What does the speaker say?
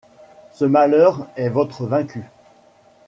Ce malheur est votre vaincu.